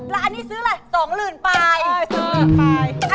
แล้วอันนี้ซื้อล่ะ๒ฤนต้น